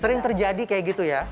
sering terjadi kayak gitu ya